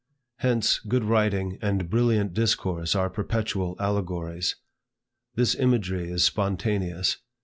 Hence, good writing and brilliant discourse are perpetual allegories. This imagery is spontaneous.